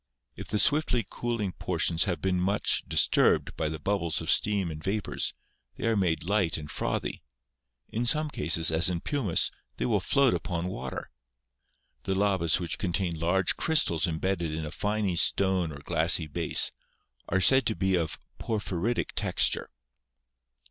If the swiftly cooling portions have been much disturbed by the bubbles of steam and vapors, they are made light and frothy; in some cases, as in pumice, they will float upon water. The lavas which contain large crystals embedded in a fine stony or glassy base are said be of a 'porphyritic texture.'